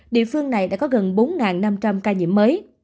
địa phương này đã có gần bốn năm trăm linh ca nhiễm mới